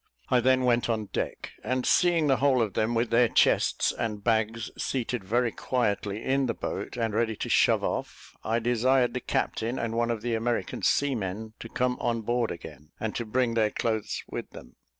I then went on deck, and seeing the whole of them, with their chests and bags, seated very quietly in the boat, and ready to shove off, I desired the captain and one of the American seamen to come on board again, and to bring their clothes with them.